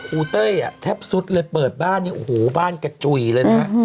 ครูเต้ยแทบสุดเลยเปิดบ้านบ้านกระจุยเลยนะครับ